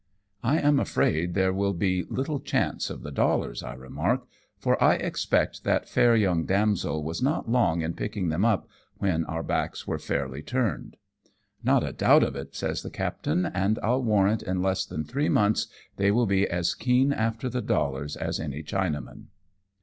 "I am afraid there will be little chance of the dollars," I remark, " for I expect that fair young i82 AMONG TYPHOONS AND PIRATE CRAFT. damsel was not long in picking them up when our backs were fairly turned." "Not a doubt of it/' says the captain^ "and I'll warrant, in less than three months they will be as keen after the dollars as any Chinaman."